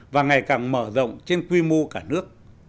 và ngày càng mở rộng trên quy mô cả nước